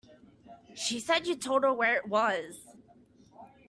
She said you told her where it was.